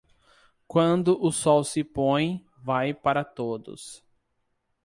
Quando o sol se põe, vai para todos.